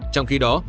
trong khi đó